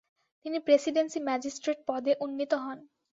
তিনি presidency magistrate পদে উন্নীত হন।